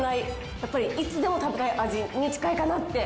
やっぱりいつでも食べたい味に近いかなって思いました。